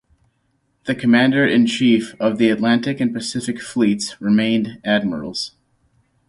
The commanders in chief of the Atlantic and Pacific Fleets remained admirals.